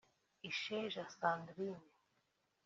Isheja Sandrine